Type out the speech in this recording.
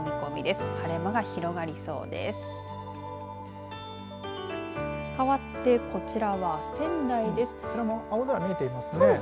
かわってこちらは仙台です。